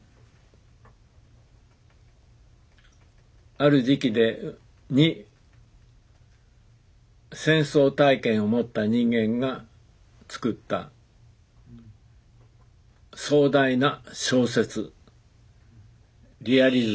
ある時期に戦争体験を持った人間がつくった壮大な小説。